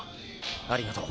ありがとう。